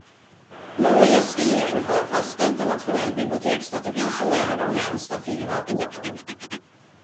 Norges regering har fastställt en nationell biblioteksstrategi som gäller de närmsta fyra åren.